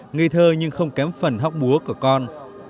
ngây thơ nhưng không kém phần hóc búa của con